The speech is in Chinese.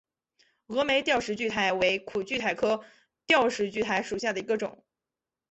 峨眉吊石苣苔为苦苣苔科吊石苣苔属下的一个种。